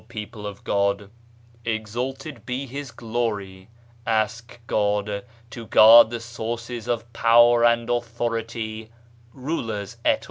people of God !— exalted be His Glory !— Ask God to guard the sources of power and authority [rulers et al.